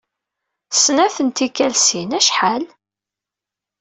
Snat n tikkal sin, acḥal?